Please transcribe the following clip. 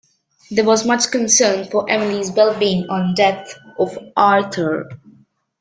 There was much concern for Emily's well-being on the death of Arthur.